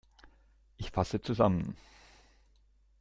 Ich fasse zusammen.